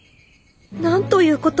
なんということ！